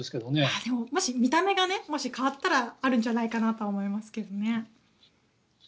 もし見た目がもし変わったらあるんじゃないかと思いますけどね。